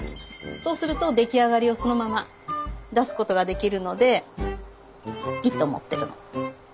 そうすると出来上がりをそのまま出すことができるのでいいと思ってるの。